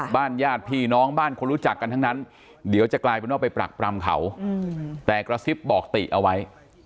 ญาติพี่น้องบ้านคนรู้จักกันทั้งนั้นเดี๋ยวจะกลายเป็นว่าไปปรักปรำเขาแต่กระซิบบอกติเอาไว้